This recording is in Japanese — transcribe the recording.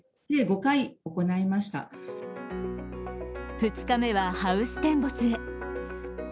２日目はハウステンボスへ。